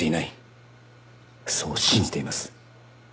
そう信じています。